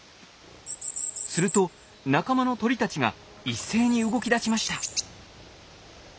すると仲間の鳥たちが一斉に動きだしました。